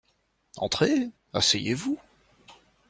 Entrez, asseyez-vous.